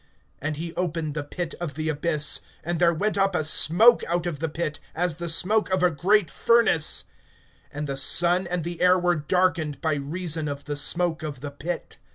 (2)And he opened the pit of the abyss, and there went up a smoke out of the pit, as the smoke of a great furnace; and the sun and the air were darkened by reason of the smoke of the pit.